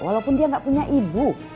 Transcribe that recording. walaupun dia nggak punya ibu